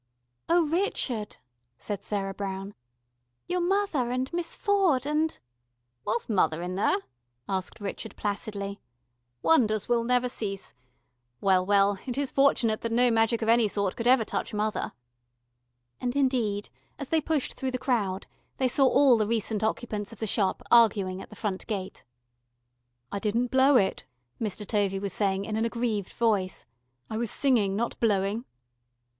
"Oh, Richard," said Sarah Brown. "Your mother and Miss Ford and " "Was mother in there?" asked Richard placidly. "Wonders will never cease. Well, well, it is fortunate that no magic of any sort could ever touch mother." And indeed, as they pushed through the crowd, they saw all the recent occupants of the Shop arguing at the front gate. "I didn't blow it," Mr. Tovey was saying in an aggrieved voice. "I was singing, not blowing."